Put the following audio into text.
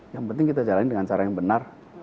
yang penting kita jalani dengan cara yang benar